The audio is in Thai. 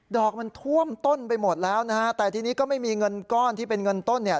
อกมันท่วมต้นไปหมดแล้วนะฮะแต่ทีนี้ก็ไม่มีเงินก้อนที่เป็นเงินต้นเนี่ย